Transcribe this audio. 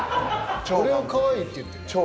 俺をかわいいって言ってる？